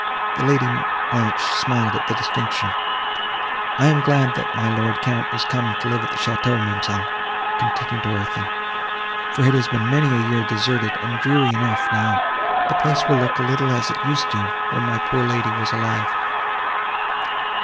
The Lady Blanche smiled at the distinction. "I am glad, that my lord the Count is come to live at the château, ma'amselle," continued Dorothée, "for it has been many a year deserted, and dreary enough; now, the place will look a little as it used to do, when my poor lady was alive."